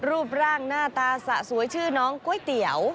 รูปร่างหน้าตาสะสวยชื่อน้องก๋วยเตี๋ยว